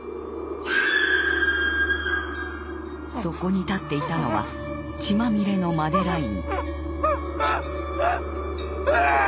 そこに立っていたのは血まみれのマデライン。